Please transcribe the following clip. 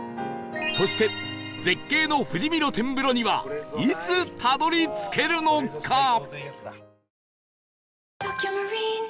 そして絶景の富士見露天風呂にはいつたどり着けるのか？